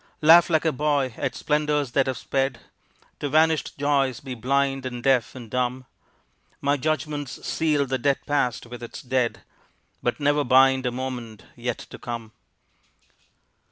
Laugh like a boy at splendors that have sped, To vanished joys be blind and deaf and dumb; My judgments seal the dead past with its dead, But never bind a moment yet to come.